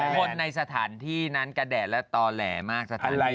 คนในสถานที่นั้นกระแดดและต่อแหล่มากสถานี